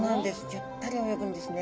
ゆったり泳ぐんですね。